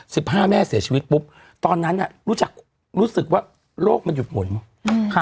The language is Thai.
สิบห้าแม่เสียชีวิตปุ๊บตอนนั้นอ่ะรู้จักรู้สึกว่าโลกมันหยุดหมุนอืมค่ะ